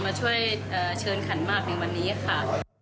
มาช่วยเชิญขันมากในวันนี้ค่ะ